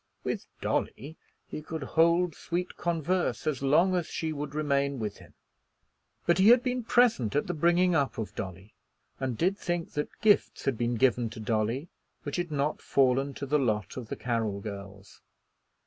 With Dolly he could hold sweet converse as long as she would remain with him. But he had been present at the bringing up of Dolly, and did think that gifts had been given to Dolly which had not fallen to the lot of the Carroll girls.